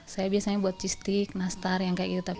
saya biasanya buat cistik nastar yang kayak gitu tapi